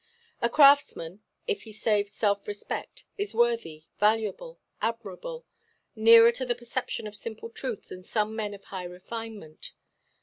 A craftsman, if he have self–respect, is worthy, valuable, admirable, nearer to the perception of simple truth than some men of high refinement.